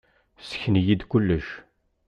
Ssken-iyi-d kullec.